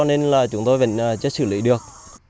nên là chúng tôi vẫn chất xử lý được